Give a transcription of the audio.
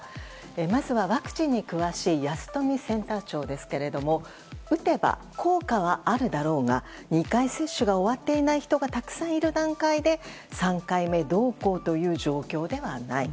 まずはワクチンに詳しい安富センター長ですけれども打てば効果はあるだろうが２回接種が終わっていない人がたくさんいる段階で３回目どうこうという状況ではない。